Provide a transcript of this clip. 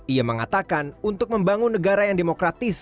ia mengatakan untuk membangun negara yang demokratis